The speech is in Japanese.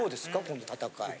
この戦い。